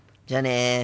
じゃあね。